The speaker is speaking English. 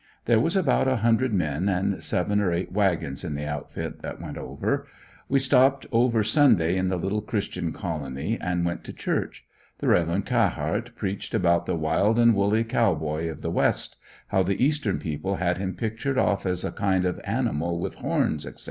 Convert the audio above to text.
There was about a hundred men and seven or eight wagons in the outfit that went over. We stopped over Sunday in the little Christian Colony and went to church. The Rev. Cahart preached about the wild and woolly Cow Boy of the west; how the eastern people had him pictured off as a kind of animal with horns, etc.